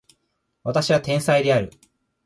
私は天才である